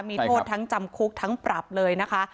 มีโทษทั้งจำคุกทั้งปรับเลยนะคะ